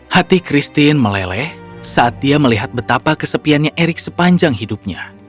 hati christine meleleh saat dia melihat betapa kesepiannya erick sepanjang hidupnya